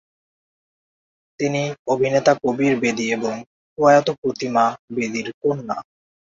তিনি অভিনেতা কবীর বেদী এবং প্রয়াত প্রতিমা বেদীর কন্যা।